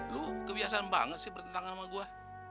lu kebiasaan banget sih bertentangan sama gue